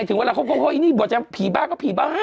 ถึงเวลาเขาเฮ้ยอันนี้บทยังผีบ้าก็ผีบ้า